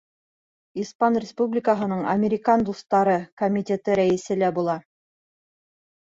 «Испан республикаһының американ дуҫтары» комитеты рәйесе лә була.